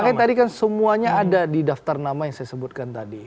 makanya tadi kan semuanya ada di daftar nama yang saya sebutkan tadi